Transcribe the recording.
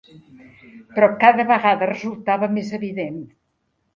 Però cada vegada resultava més evident